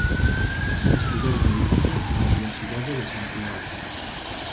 Estudou Medicina na Universidade de Santiago.